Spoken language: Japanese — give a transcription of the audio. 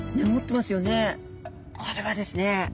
これはですね